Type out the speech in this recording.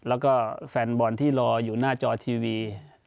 แล้วก็แฟนบอลที่รออยู่หน้าจอทีวี